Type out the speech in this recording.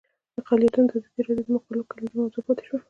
اقلیتونه د ازادي راډیو د مقالو کلیدي موضوع پاتې شوی.